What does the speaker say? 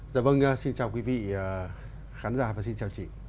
dạ vâng xin chào quý vị khán giả và xin chào chị